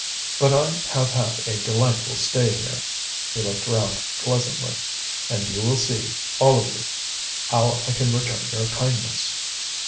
But I have had a delightful stay here" he looked round pleasantly "and you will see, all of you, how I can return your kindness."